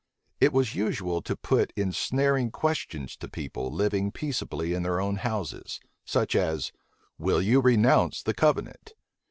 It was usual to put insnaring questions to people living peaceably in their own houses; such as, "Will you renounce the covenant?